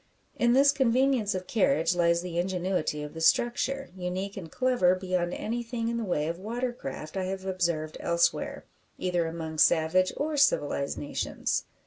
In this convenience of carriage lies the ingenuity of the structure unique and clever beyond anything in the way of water craft I have observed elsewhere, either among savage or civilised nations.